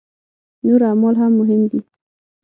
نور اعمال هم مهم دي.